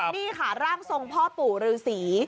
นี่ค่ะร่างทรงพ่อปู่ฤษี